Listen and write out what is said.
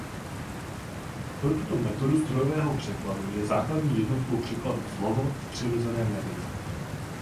Pro tuto metodu strojového překladu je základní jednotkou překladu slovo v přirozeném jazyce.